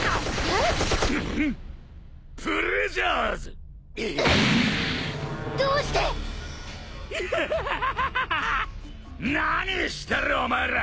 何してるお前ら！